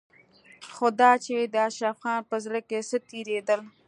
خو دا چې د اشرف خان په زړه کې څه تېرېدل.